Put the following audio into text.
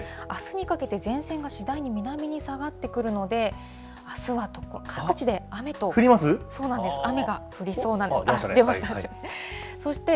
あすにかけて、前線がしだいに南に下がってくるので、あすは各地降ります？